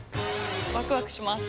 ワクワクします。